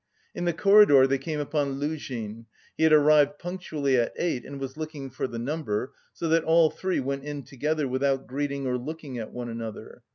In the corridor they came upon Luzhin; he had arrived punctually at eight, and was looking for the number, so that all three went in together without greeting or looking at one another.